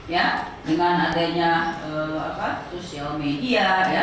ya dengan adanya sosial media